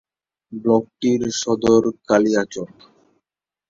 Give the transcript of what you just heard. ব্লকটির সদর কালিয়াচক।